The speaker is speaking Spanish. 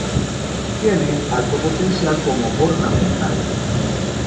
Tiene alto potencial como ornamental.